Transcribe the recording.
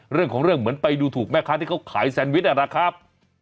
เรื่องของเรื่องเหมือนไปดูถูกแม่ค้าที่เขาขายแซนวิชนะครับ